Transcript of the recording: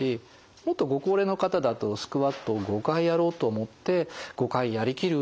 もっとご高齢の方だとスクワットを５回やろうと思って５回やりきる